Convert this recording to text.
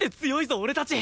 俺たち